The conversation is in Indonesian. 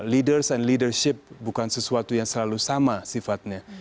leaders and leadership bukan sesuatu yang selalu sama sifatnya